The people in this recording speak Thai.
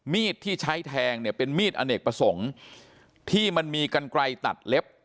มีดที่ใช้แทงเนี่ยเป็นมีดอเนกประสงค์ที่มันมีกันไกลตัดเล็บ